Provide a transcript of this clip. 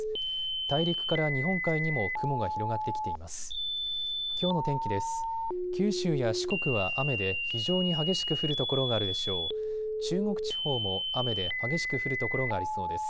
大陸から日本海にも雲が広がってきています。